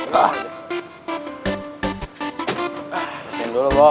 masukin dulu bob